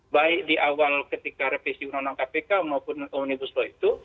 baik di awal ketika revisi undang undang kpk maupun omnibus law itu